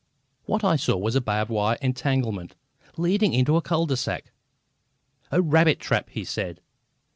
What I saw was a barbed wire entanglement, leading into a cul de sac. "A rabbit trap!" he said.